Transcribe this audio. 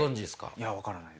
いや分からないです。